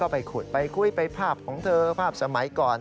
ไปขุดไปคุยไปภาพของเธอภาพสมัยก่อน